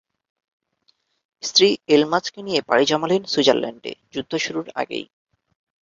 স্ত্রী এলমাজকে নিয়ে পাড়ি জমালেন সুইজারল্যান্ডে, যুদ্ধ শুরুর আগেই।